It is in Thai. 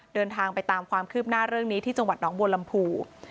เดินทางไปตามความคืบหน้าเรื่องนี้ที่จังหวัดน้องบัวลำพู